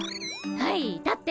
はい立って！